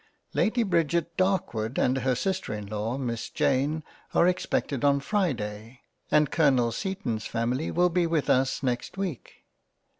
Lady Bridget Darkwood and her sister in law, Miss Jane are expected on Friday; and Colonel Seaton's family will be with us next week.